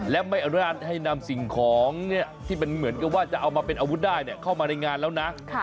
และไม่อนุญาตให้นำสิ่งของที่มันเหมือนกับว่าจะเอามาเป็นอาวุธได้เข้ามาในงานแล้วนะ